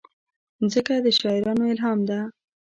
مځکه د شاعرانو الهام ده.